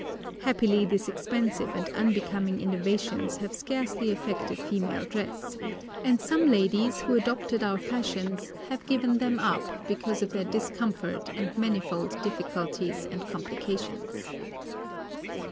Happily these expensive and unbecoming innovations have scarcely affected female dress, and some ladies who adopted our fashions have given them up because of their discomfort and manifold difficulties and complications.